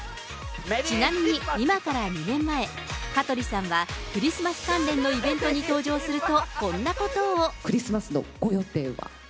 ちなみに今から２年前、香取さんは、クリスマス関連のイベントに登場すると、こんなことを。